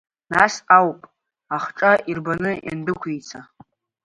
Нас ауп ахҿа ирбаны иандәықәиҵа.